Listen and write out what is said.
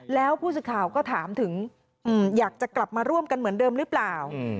แล้วผู้สื่อข่าวก็ถามถึงอยากจะกลับมาร่วมกันเหมือนเดิมหรือเปล่า